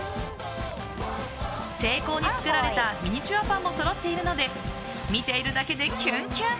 精巧に作られたミニチュアパンもそろっているので見ているだけでキュンキュン！